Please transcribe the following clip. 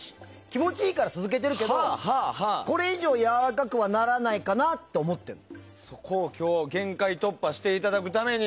気持ちいいから続けてるけどこれ以上はやわらかくならないかなと思ってる。